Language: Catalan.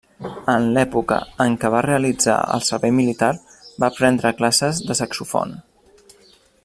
En l'època en què va realitzar el servei militar va prendre classes de saxofon.